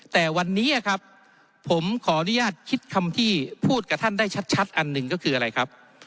แต่วันนี้ครับผมขออนุญาตคิดคำที่พูดกับท่านได้ชัดอันหนึ่งก็คืออะไรครับ